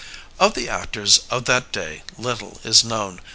Of the actors of that day little is known.